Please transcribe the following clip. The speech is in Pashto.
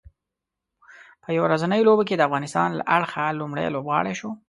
په یو ورځنیو لوبو کې د افغانستان له اړخه لومړی لوبغاړی شو